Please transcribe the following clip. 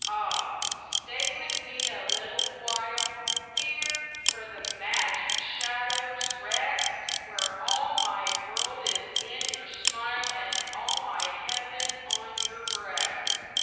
Ah, stay with me a little while Here, where the magic shadows rest, Where all my world is in your smile And all my heaven on your breast.